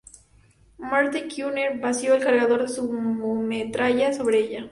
Maarten Kuiper vació el cargador de su metralleta sobre ella.